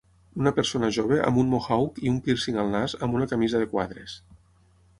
Una persona jove amb un Mohawk i un pírcing al nas amb una camisa de quadres.